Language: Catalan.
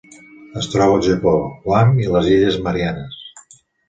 Es troba al Japó, Guam i les Illes Mariannes.